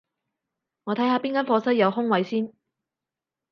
我睇下邊間課室有空位先